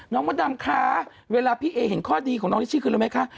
มดดำคะเวลาพี่เอเห็นข้อดีของน้องนิชชี่คือรู้ไหมคะ